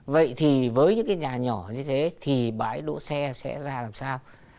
vậy thì với những cái nhà nhỏ như thế thì bãi đỗ xe sẽ ra làm sao